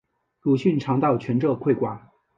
鲁迅常到全浙会馆。